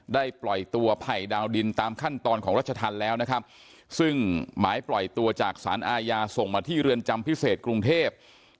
ปล่อยตัวไผ่ดาวดินตามขั้นตอนของรัชธรรมแล้วนะครับซึ่งหมายปล่อยตัวจากสารอาญาส่งมาที่เรือนจำพิเศษกรุงเทพ